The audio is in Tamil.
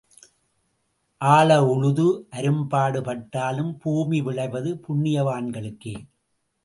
ஆழ உழுது அரும் பாடு பட்டாலும் பூமி விளைவது புண்ணியவான்களுக்கே.